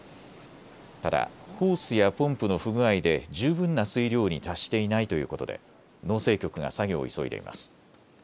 ただホースやポンプの不具合で十分な水量に達していないということで農政局が作業を急いでいます。